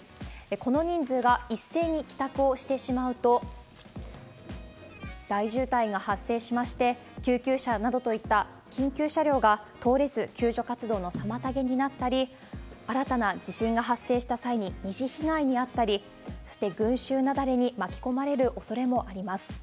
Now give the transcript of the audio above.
この人数が一斉に帰宅をしてしまうと、大渋滞が発生しまして、救急車などといった、緊急車両が通れず、救助活動の妨げになったり、新たな地震が発生した際に二次被害に遭ったり、そして群衆雪崩に巻き込まれるおそれもあります。